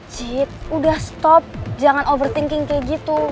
jit udah stop jangan overthinking kayak gitu